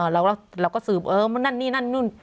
เราก็สืบเออนั่นนี่นั่นนู่น